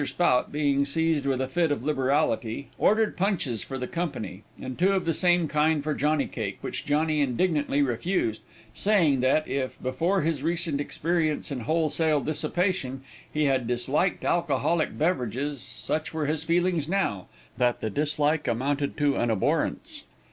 Spout, being seized with a fit of liberality, ordered punches for the company, and two of the same kind for Johnny Cake, which Johnny indignantly refused, saying that, if before his recent experience in wholesale dissipation, he had disliked alcoholic beverages, such were his feelings now, that the dislike amounted to an abhorrence.